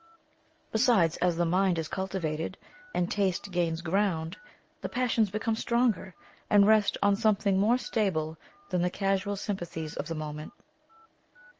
Besides, as the mind is cultivated, and taste gains ground, the passions become stronger, and rest on something more stable than the casual sympathies of the moment.